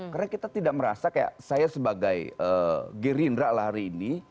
karena kita tidak merasa kayak saya sebagai geri indra lah hari ini